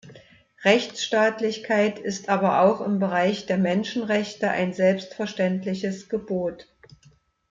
Rechtsstaatlichkeit ist aber auch im Bereich der Menschenrechte ein selbstverständliches Gebot.